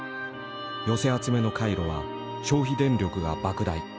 寄せ集めの回路は消費電力がばく大。